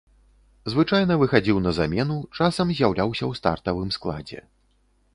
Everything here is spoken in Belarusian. Звычайна выхадзіў на замену, часам з'яўляўся ў стартавым складзе.